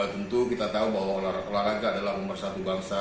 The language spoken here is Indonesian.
tentu kita tahu bahwa olahraga adalah nomor satu bangsa